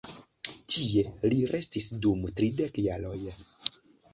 Tie, li restis dum tridek jaroj.